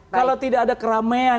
kalau tidak ada keramaian